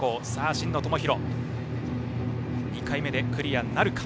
真野友博、２回目でクリアなるか。